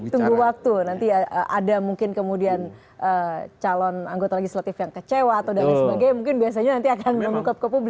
tunggu waktu nanti ada mungkin kemudian calon anggota legislatif yang kecewa atau dan lain sebagainya mungkin biasanya nanti akan menemukan ke publik